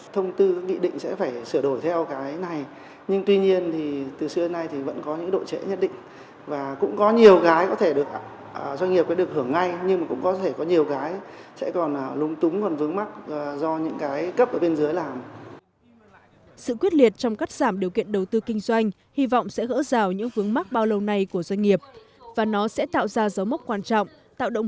thông tư nghị định sẽ phải sửa đổi theo cái này nhưng tuy nhiên thì từ xưa đến nay thì vẫn có những độ trễ nhất định và cũng có nhiều cái doanh nghiệp có thể được hưởng ngay nhưng cũng có thể có nhiều cái sẽ còn lúng túng